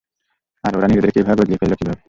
আর ওরা নিজেদেরকে এভাবে বদলিয়ে ফেললো কীভাবে?